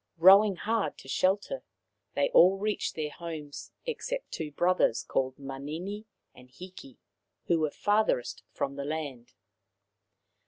Rowing hard to shelter, they all reached their homes except two brothers called Manini and Hiki, who were farthest from land.